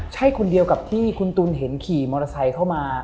ใช่คนเดียวกับที่คุณตุ๋นเห็นขี่มอเตอร์ไซค์เข้ามา